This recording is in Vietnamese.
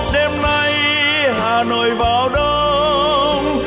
đêm nay hà nội vào đông